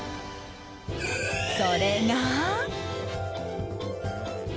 それが。